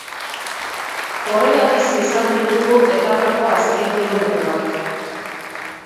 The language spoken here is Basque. Horrela bizi izan ditugu etapako azken kilometroak.